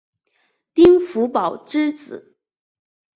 丁福保之子。